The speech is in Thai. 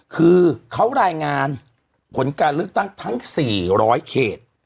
คือเขารายงานผลการเลือกตั้งทั้ง๔๐๐เขต